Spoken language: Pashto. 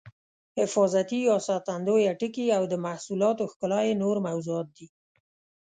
حفاظتي یا ساتندویه ټکي او د محصولاتو ښکلا یې نور موضوعات دي.